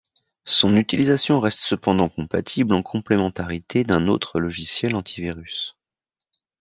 Son utilisation reste cependant compatible en complémentarité d'un autre logiciel anti-virus.